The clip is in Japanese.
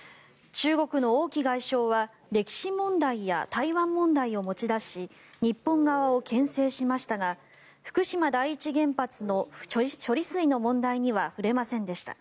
中国の王毅外相は歴史問題や台湾問題を持ち出し日本側をけん制しましたが福島第一原発の処理水の問題には触れませんでした。